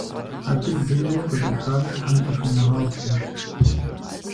Абы лейуэ къывихар Тхьэм къыхуимыгъэгъукӀэ.